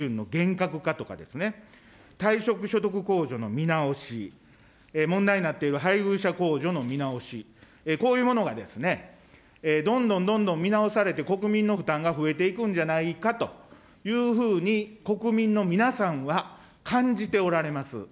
消費税とか、道路利用税、炭素税、相続税、エコカー減税の適用基準の厳格化とかですね、退職所得控除の見直し、問題になっている配偶者控除の見直し、こういうものがどんどんどんどん見直されて、国民の負担が増えていくんじゃないかというふうに、国民の皆さんは感じておられます。